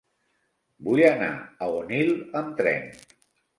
Vull anar a Onil amb tren.